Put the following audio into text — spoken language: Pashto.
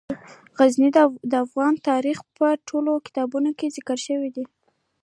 غزني د افغان تاریخ په ټولو کتابونو کې ذکر شوی دی.